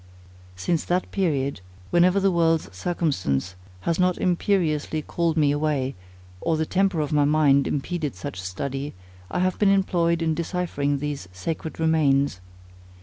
Since that period, whenever the world's circumstance has not imperiously called me away, or the temper of my mind impeded such study, I have been employed in deciphering these sacred remains.